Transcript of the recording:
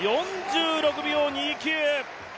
４６秒２９。